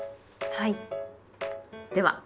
はい。